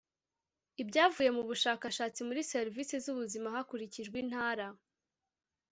ibyavuye mu bushakashatsi muri serivisi z'ubuzima hakurikijwe intara